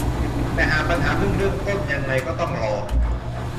แต่หากปัญหาเพิ่งเริ่มต้นอย่างไรก็ต้องรอ